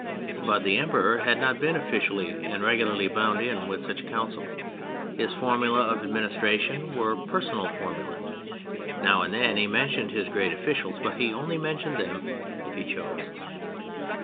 But the Emperor had not been officially and regularly bound in with such a Council. His formulæ of administration were personal formulæ. Now and then he mentioned his great officials, but he only mentioned them if he chose.